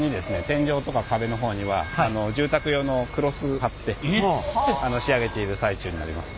天井とか壁の方には住宅用のクロスを貼って仕上げている最中になります。